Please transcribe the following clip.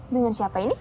dengan siapa ini